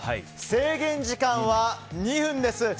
制限時間は２分です。